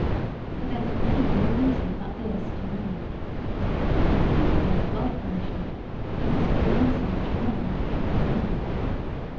For there can be no reason but this to man. If then God punished it, it was for a reason which men can not know.